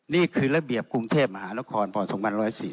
นี่คือระเบียบกรุงเทพมหานครพศ๒๑๔๔